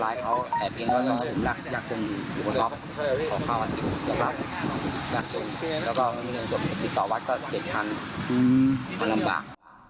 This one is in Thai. แล้วก็ติดต่อวัดก็๗พันมันลำบาก